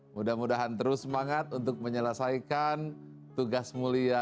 mudah mudahan terus semangat untuk menyelesaikan tugas mulia